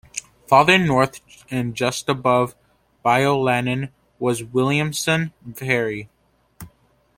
Farther north, and just above Bayou Lanan, was Williamson Ferry.